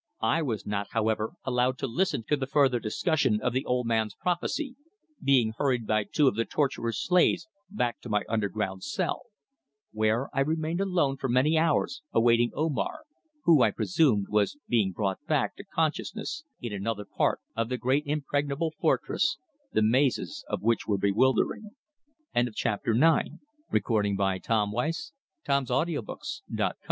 I was not, however, allowed to listen to the further discussion of the old man's prophecy, being hurried by two of the torturer's slaves back to my underground cell, where I remained alone for many hours awaiting Omar, who, I presumed, was being brought back to consciousness in another part of the great impregnable fortress, the mazes of which were bewildering. CHAPTER X. ZOMARA. IN darkness and anxiety I remained alone for many da